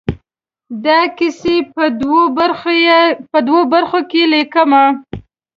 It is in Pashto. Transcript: دا کیسې په دوو برخو کې ليکم.